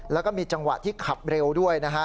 แล้วก็มีจังหวะที่ขับเร็วด้วยนะฮะ